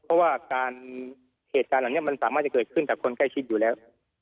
เพราะว่าการเหตุการณ์เหล่านี้มันสามารถจะเกิดขึ้นกับคนใกล้ชิดอยู่แล้ว